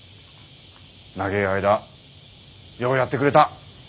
長え間ようやってくれた。